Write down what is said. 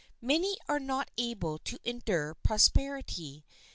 Many are not able to endure prosperity.